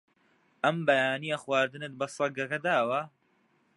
ئەم بەیانییە خواردنت بە سەگەکە داوە؟